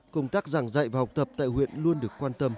công tác giảng dạy và học tập tại huyện luôn được